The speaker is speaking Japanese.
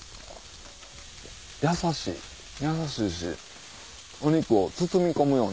優しい優しいしお肉を包み込むような。